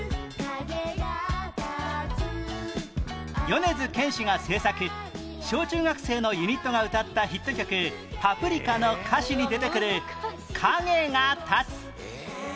米津玄師が制作小中学生のユニットが歌ったヒット曲『パプリカ』の歌詞に出てくる「影が立つ」え？